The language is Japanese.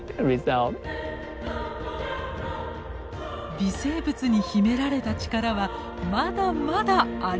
微生物に秘められた力はまだまだあります。